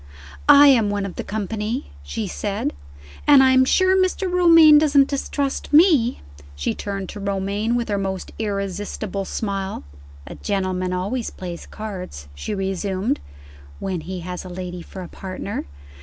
"I am one of the company," she said, "and I am sure Mr. Romayne doesn't distrust me." She turned to Romayne with her most irresistible smile. "A gentleman always plays cards," she resumed, "when he has a lady for a partner.